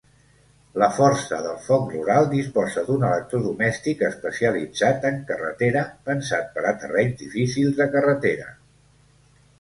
La força del foc rural disposa d'un electrodomèstic especialitzat en carretera, pensat per a terrenys difícils de carretera.